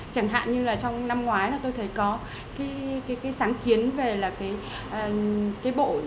chẳng hạn như là trong năm ngoái là tôi thấy có cái sáng kiến về là cái bộ